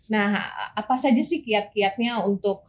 nah apa saja sih kiat kiatnya untuk